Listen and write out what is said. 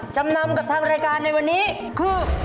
จำนำกับทางรายการในวันนี้คือ